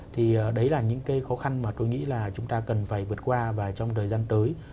thì đấy là những cái khó khăn mà tôi nghĩ là chúng ta cần phải vượt qua và trong thời gian tới